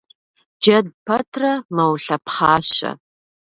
Джэд пэтрэ мэулъэпхъащэ.